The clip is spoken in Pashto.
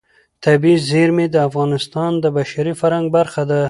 طبیعي زیرمې د افغانستان د بشري فرهنګ برخه ده.